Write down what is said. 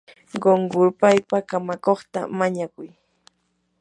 qunqurpaypa kamakuqta mañakuy.